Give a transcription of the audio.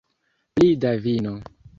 Pli da vino